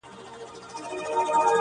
پر ښار ختلې د بلا ساه ده-